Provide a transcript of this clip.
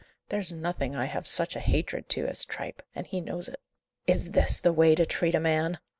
There's nothing I have such a hatred to as tripe; and he knows it." "Is this the way to treat a man?"